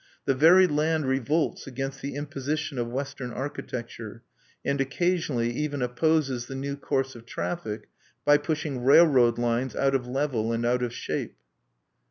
The very land revolts against the imposition of Western architecture, and occasionally even opposes the new course of traffic by pushing railroad lines out of level and out of shape.